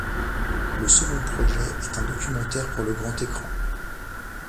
Le second projet est un documentaire pour le grand écran.